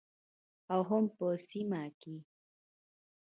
او هم په سیمه کې